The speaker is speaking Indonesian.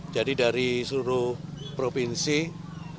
jadi dari seluruh provinsi tiga puluh tujuh provinsi ya